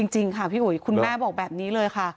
จริงค่ะพี่อุ๋ยคุณแม่บอกแบบนี้เลยค่ะ